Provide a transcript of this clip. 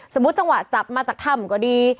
จังหวะจับมาจากถ้ำก็ดี